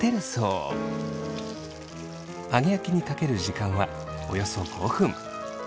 揚げ焼きにかける時間はおよそ５分。